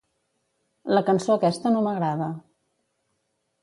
La cançó aquesta no m'agrada.